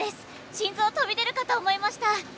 心臓飛び出るかと思いました！」